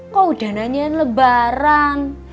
kok udah nanyain lebaran